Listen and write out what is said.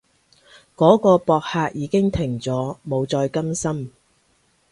嗰個博客已經停咗，冇再更新